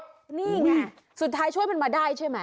นี่ไงสุดท้ายช่วยมันมาได้ใช่ไหม